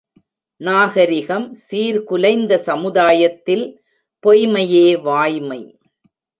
நாகரிகம் சீர்குலைந்த சமுதாயத்தில் பொய்ம்மையே வாய்மை.